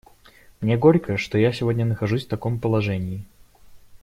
Мне горько, что я сегодня нахожусь в таком положении.